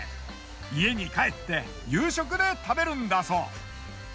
家に帰って夕食で食べるんだそう。